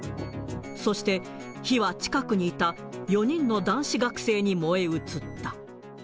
そして、火は近くにいた４人の男子学生に燃え移った。